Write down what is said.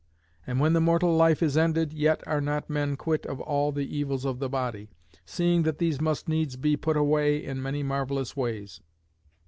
And when the mortal life is ended yet are not men quit of all the evils of the body, seeing that these must needs be put away in many marvellous ways.